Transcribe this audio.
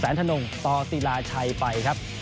แสนถนนกต่อสีราชัยไปครับ